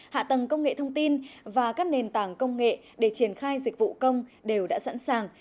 hạ tầng công nghệ thông tin và các nền tảng công nghệ để triển khai dịch vụ công đều đã sẵn sàng